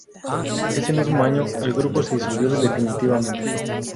Ese mismo año el grupo se disolvió definitivamente.